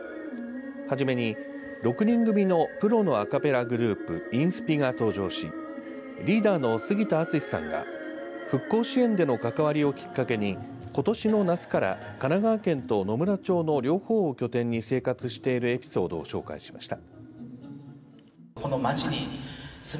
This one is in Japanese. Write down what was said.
初めに６人組のプロのアカペラグループＩＮＳＰｉが登場しリーダーの杉田篤史さんが復興支援での関わりをきっかけにことしの夏から神奈川県と野村町の両方を拠点に生活しているエピソードを紹介しました。